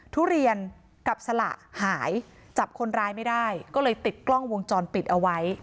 ทุเรียนกับสละหายจับคนร้ายไม่ได้ก็เลยติดกล้องวงจรปิดเอาไว้